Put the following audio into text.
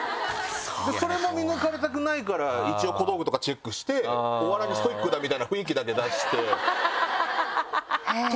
それも見抜かれたくないから一応小道具とかチェックしてお笑いにストイックだみたいな雰囲気だけ出して。